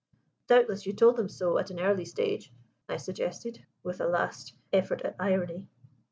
"Doubtless you told them so at an early stage?" I suggested, with a last effort at irony.